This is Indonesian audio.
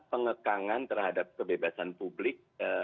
pengekangan terhadap kebebasan publik